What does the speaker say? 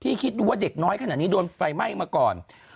คิดดูว่าเด็กน้อยขนาดนี้โดนไฟไหม้มาก่อน